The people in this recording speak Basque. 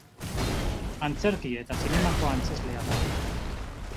Antzerki eta zinemako antzezlea da.